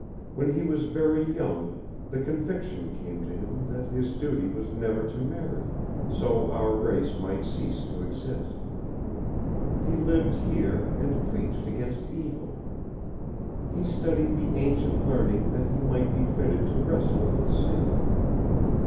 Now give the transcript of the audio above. When he was very young the conviction came to him that his duty was never to marry, so our race might cease to exist. He lived here and preached against evil. He studied the ancient learning that he might be fitted to wrestle with sin.